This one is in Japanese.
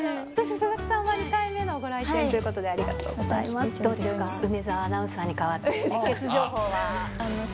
佐々木さんは２回目のご来店ということでありがとうございます。